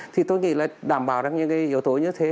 thì tôi nghĩ là đảm bảo được những cái yếu tố như thế